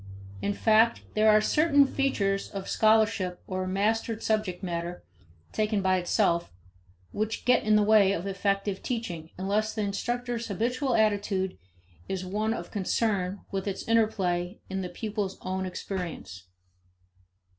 In fact, there are certain features of scholarship or mastered subject matter taken by itself which get in the way of effective teaching unless the instructor's habitual attitude is one of concern with its interplay in the pupil's own experience.